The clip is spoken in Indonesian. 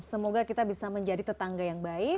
semoga kita bisa menjadi tetangga yang baik